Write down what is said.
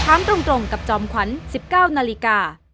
ถามตรงตรงกับจอมขวัญสิบเก้านาฬิกา